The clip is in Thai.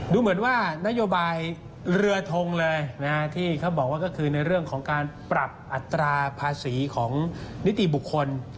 ดูเหมือนว่านโยบายเรือทงเลยที่เขาบอกว่าก็คือในเรื่องของการปรับอัตราภาษีของนิติบุคคล